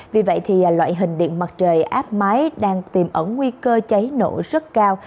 vì vậy thì loại hình điện mặt trời áp máy đang tìm ẩn nguy cơ cháy nổ rất cao